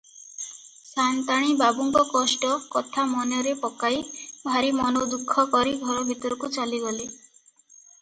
ସା’ନ୍ତାଣୀ ବାବୁଙ୍କ କଷ୍ଟ କଥା ମନରେ ପକାଇ ଭାରି ମନୋଦୁଃଖ କରି ଘର ଭିତରକୁ ଚାଲିଗଲେ ।